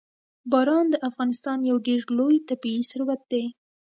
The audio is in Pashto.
باران د افغانستان یو ډېر لوی طبعي ثروت دی.